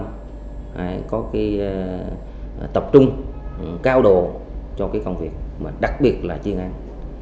phải có tập trung cao độ cho công việc đặc biệt là chiến hãi